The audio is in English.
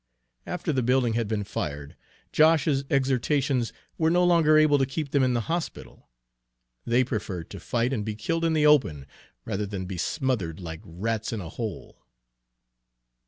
After the building had been fired, Josh's exhortations were no longer able to keep them in the hospital. They preferred to fight and be killed in the open, rather than to be smothered like rats in a hole.